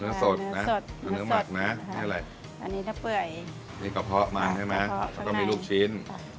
เนื้อสดเนื้อสดเนื้อหมัดนะอันนี้อะไรพะนี้ตะเป่ยได้กระเพาะมาใช่ไหมเขาก็มีลูกชิ้น